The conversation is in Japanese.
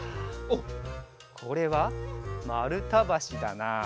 おっこれはまるたばしだな。